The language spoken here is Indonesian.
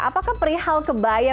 apakah perihal kebaya